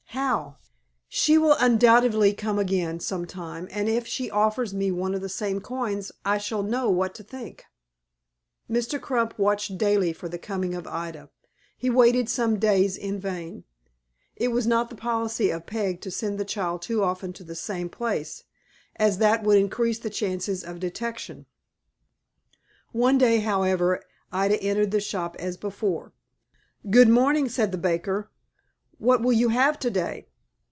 "How?" "She will undoubtedly come again some time, and if she offers me one of the same coins I shall know what to think." Mr. Crump watched daily for the coming of Ida. He waited some days in vain. It was not the policy of Peg to send the child too often to the same place, as that would increase the chances of detection. One day, however, Ida entered the shop as before. "Good morning," said the baker. "What will you have to day?"